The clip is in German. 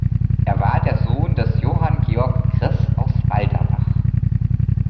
Er war der Sohn des Johann Georg Kress aus Walderbach.